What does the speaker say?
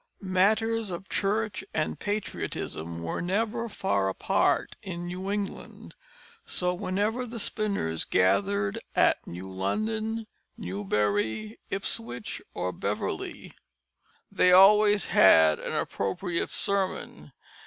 Matters of church and patriotism were never far apart in New England; so whenever the spinners gathered at New London, Newbury, Ipswich, or Beverly, they always had an appropriate sermon.